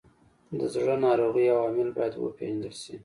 د زړه ناروغیو عوامل باید وپیژندل شي.